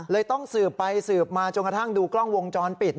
ต้องสืบไปสืบมาจนกระทั่งดูกล้องวงจรปิด